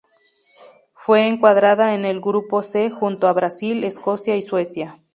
Fue encuadrada en el grupo C junto a Brasil, Escocia y Suecia.